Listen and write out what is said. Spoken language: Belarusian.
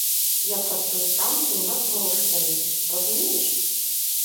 Я працую там, дзе ў нас грошы даюць, разумееш?